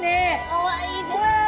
かわいいですね。